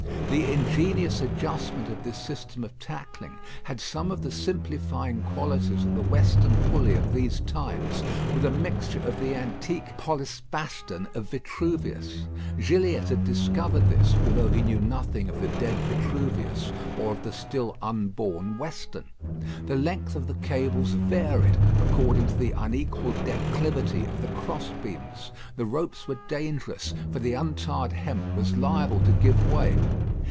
The ingenious adjustment of this system of tackling had some of the simplifying qualities of the Weston pulley of these times, with a mixture of the antique polyspaston of Vitruvius. Gilliatt had discovered this, although he knew nothing of the dead Vitruvius or of the still unborn Weston. The length of the cables varied, according to the unequal declivity of the cross beams. The ropes were dangerous, for the untarred hemp was liable to give way.